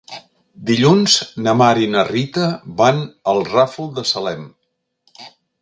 Dilluns na Mar i na Rita van al Ràfol de Salem.